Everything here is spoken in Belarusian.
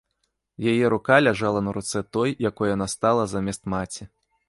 Яе рука ляжала на руцэ той, якой яна стала замест маці.